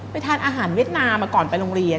ทานอาหารเวียดนามมาก่อนไปโรงเรียน